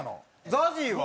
ＺＡＺＹは？